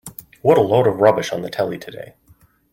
What a load of rubbish on the telly today.